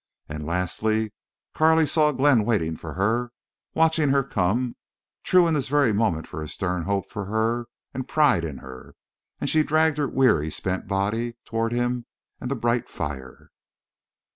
And lastly, Carley saw Glenn waiting for her, watching her come, true in this very moment to his stern hope for her and pride in her, as she dragged her weary, spent body toward him and the bright fire.